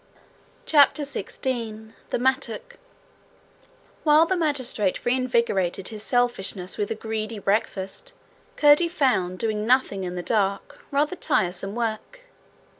CHAPTER 16 The Mattock While The magistrate reinvigorated his selfishness with a greedy breakfast, Curdie found doing nothing in the dark rather tiresome work.